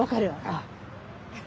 ああ。